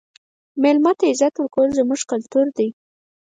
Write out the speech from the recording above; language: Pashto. د مېلمه عزت کول زموږ کلتور دی.